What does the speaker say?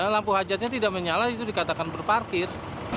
lampu hajatnya tidak menyala itu dikatakan berparkir